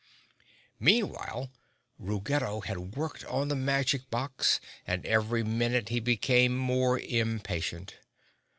Meanwhile Ruggedo had worked on the magic box and every minute he became more impatient.